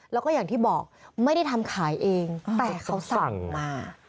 แล้วก็อย่างที่บอกไม่ได้ทำขายเองแต่เขาสั่งมา